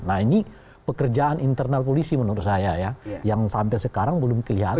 nah ini pekerjaan internal polisi menurut saya ya yang sampai sekarang belum kelihatan